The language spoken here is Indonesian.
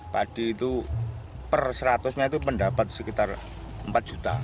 padi itu per seratusnya itu pendapat sekitar rp empat